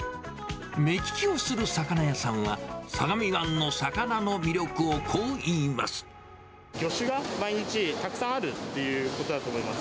目利きをする魚屋さんは、魚種が毎日、たくさんあるっていうことだと思います。